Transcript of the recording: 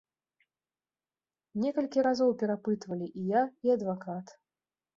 Некалькі разоў перапытвалі і я, і адвакат.